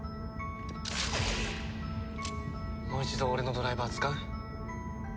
もう一度俺のドライバー使う？